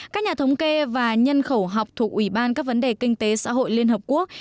các nhà thống kê và nhân khẩu học thuộc ủy ban các vấn đề kinh tế xã hội liên hợp quốc